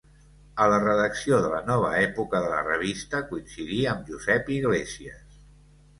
A la redacció de la nova època de la revista coincidí amb Josep Iglésies.